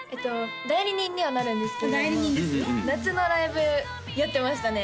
代理人にはなるんですけど代理人ですよ夏のライブやってましたね